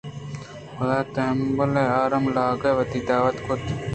پدا تہمبل ءُ آرام لاگ ئِے وتی دعوت کُت